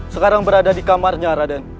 sekarang berada di kamarnya raden